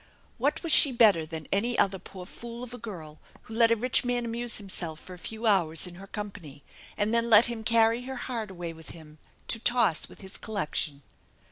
What was she better than any other poor fool of a girl who let a rich man amuse himself for a few hours in her company and then let him carry her heart away with him to toss with his collection?